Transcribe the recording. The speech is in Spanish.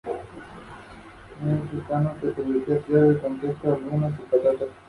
Allí se familiarizó con la música de Richard Wagner.